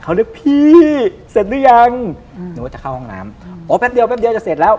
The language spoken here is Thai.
เขานึกพี่เสร็จหรือยังอืมนึกว่าจะเข้าห้องน้ำอ๋อแป๊บเดียวแป๊บเดียวจะเสร็จแล้ว